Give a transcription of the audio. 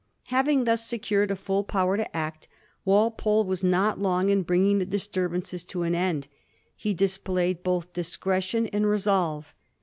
Having thus secured a full power to act, Walpole was not long in bringing the disturbances to an end. He displayed both discretion and resolve.